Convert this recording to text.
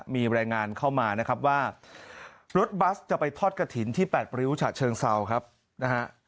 มีรายงานเข้ามานะครับว่ารถบัสจะไปทอดกระถิ่นที่แปดริ้วฉะเชิงเซาครับนะฮะ